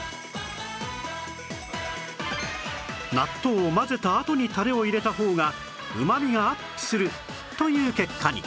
納豆を混ぜたあとにタレを入れた方が旨味がアップするという結果に